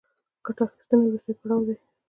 ګټه اخیستنه وروستی پړاو دی